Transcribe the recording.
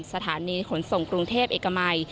สถานีขนส่งกรุงเทพเอกมัย